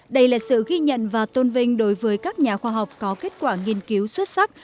đây là sự ghi nhận và tôn vinh đối với các nhà khoa học có kết quả nghiên cứu xuất sắc